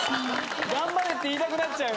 頑張れって言いたくなっちゃう。